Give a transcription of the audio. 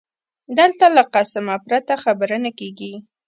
دلته له قسمه پرته خبره نه کېږي